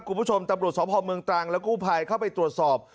คุณผู้ชมตำรวจสพเมืองตรังและกู้ภัยเข้าไปตรวจสอบ